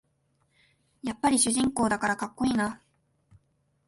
やっぱり主人公だからかっこいいな